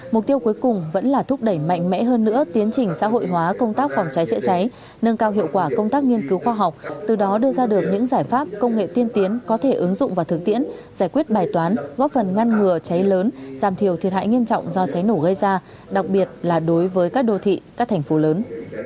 mục tiêu cuối cùng vẫn là thúc đẩy mạnh mẽ hơn nữa tiến trình xã hội hóa công tác phòng cháy chữa cháy nâng cao hiệu quả công tác nghiên cứu khoa học từ đó đưa ra được những giải pháp công nghệ tiên tiến có thể ứng dụng vào thực tiễn giải quyết bài toán góp phần ngăn ngừa cháy lớn giảm thiểu thiệt hại nghiêm trọng do cháy nổ gây ra đặc biệt là đối với các đô thị các thành phố lớn